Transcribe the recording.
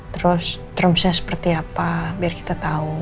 terus termsnya seperti apa biar kita tahu